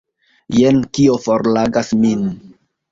Jen kio forlogas min!